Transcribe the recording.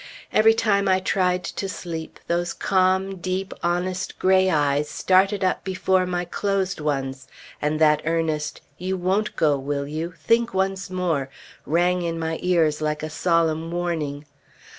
Every time I tried to sleep, those calm, deep, honest gray eyes started up before my closed ones, and that earnest "You won't go, will you? Think once more!" rang in my ears like a solemn warning.